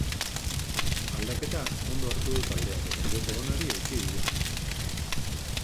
Aldaketa ondo hartu du taldeak eta joko onari eutsi dio.